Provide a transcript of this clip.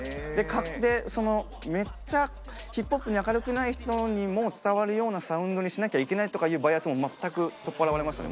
でそのめっちゃＨＩＰＨＯＰに明るくない人にも伝わるようなサウンドにしなきゃいけないとかいうバイアスも全く取っ払われましたね